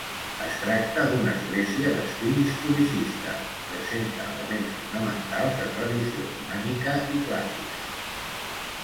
Es tracta d'una església d'estil historicista, presenta elements ornamentals de tradició romànica i clàssica.